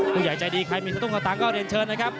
ผู้ใหญ่ใจดีใครมีศัตรูเขาต่างก็เรียนเชิญนะครับ